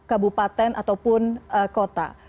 di tingkat kabupaten ataupun kota